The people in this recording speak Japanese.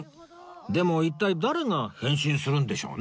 でも一体誰が変身するんでしょうね？